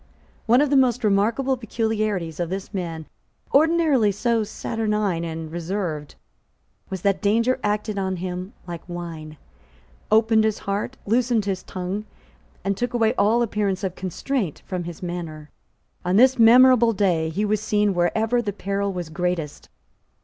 One of the most remarkable peculiarities of this man, ordinarily so saturnine and reserved, was that danger acted on him like wine, opened his heart, loosened his tongue, and took away all appearance of constraint from his manner. On this memorable day he was seen wherever the peril was greatest.